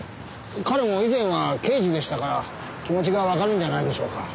彼も以前は刑事でしたから気持ちがわかるんじゃないでしょうか。